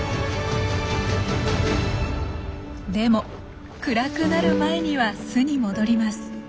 でも暗くなる前には巣に戻ります。